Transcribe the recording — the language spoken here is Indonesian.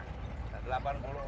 karena dibatasi kuotanya